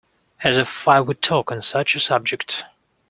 As if I would talk on such a subject!